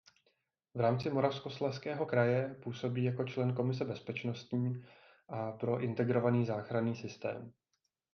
V rámci Moravskoslezského kraje působí jako člen komise bezpečnostní a pro integrovaný záchranný systém.